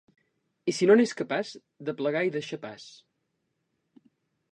I si no n’és capaç, de plegar i deixar pas.